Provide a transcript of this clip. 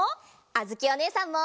あづきおねえさんも。